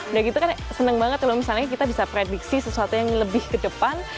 udah gitu kan seneng banget kalau misalnya kita bisa prediksi sesuatu yang lebih ke depan